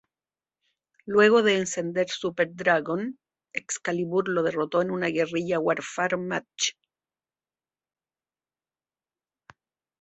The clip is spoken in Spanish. Luego de encender Super Dragon, Excalibur lo derrotó en un Guerrilla Warfare Match.